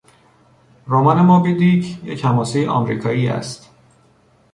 رمان موبی دیک یک حماسهی امریکایی است.